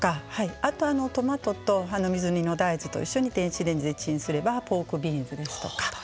あと、トマトと水煮の大豆と一緒に電子レンジでチンすればポークビーンズですとか